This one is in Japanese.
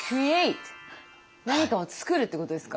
何かをつくるってことですか？